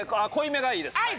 はい！